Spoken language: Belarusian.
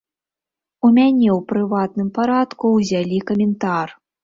У мяне ў прыватным парадку ўзялі каментар.